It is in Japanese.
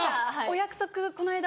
お約束この間。